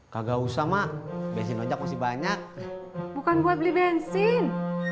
kagak usah mak besi banyak bukan buat beli bensin